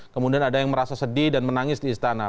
kemudian ada yang merasa sedih dan menangis di istana